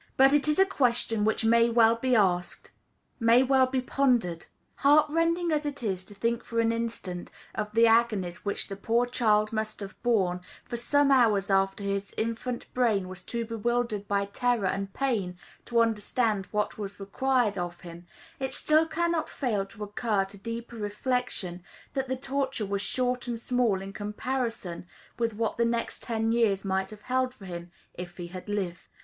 But it is a question which may well be asked, may well be pondered. Heart rending as it is to think for an instant of the agonies which the poor child must have borne for some hours after his infant brain was too bewildered by terror and pain to understand what was required of him, it still cannot fail to occur to deeper reflection that the torture was short and small in comparison with what the next ten years might have held for him if he had lived.